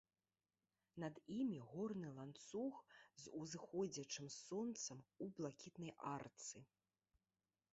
Над імі горны ланцуг з узыходзячым сонцам у блакітнай арцы.